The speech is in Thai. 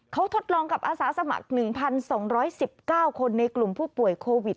เขาทดลองกับอาสาสมัคร๑๒๑๙คนในกลุ่มผู้ป่วยโควิด